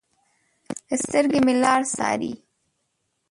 سترګې مې لار څارې